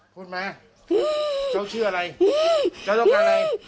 เป็นผู้ชายผู้หญิง